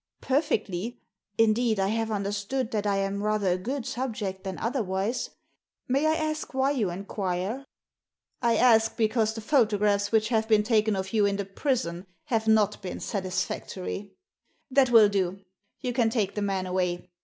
"Perfectly; indeed, I have understood that I am rather a good subject than otherwise. May I ask why you inquire?" " I ask because the photographs which have been taken of you in the prison have not been satisfactory. That will do; you can take the man away.